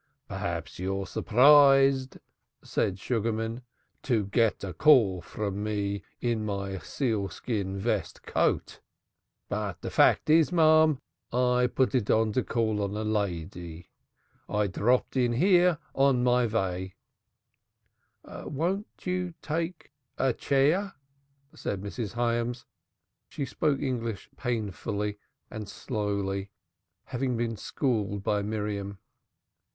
"P'raps you're surprised," said Sugarman, "to get a call from me in my sealskin vest coat. But de fact is, marm, I put it on to call on a lady. I only dropped in here on my vay." "Won't you take a chair?" said Mrs. Hyams. She spoke English painfully and slowly, having been schooled by Miriam.